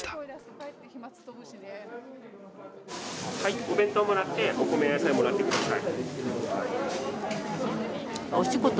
はいお弁当もらってお米や野菜もらって下さい。